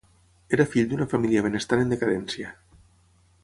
Era fill d'una família benestant en decadència.